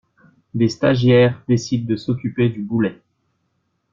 Des stagiaires décident de s'occuper du boulet.